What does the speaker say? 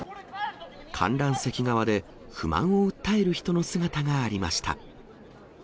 観覧席側で、不満を訴える人の姿がありました。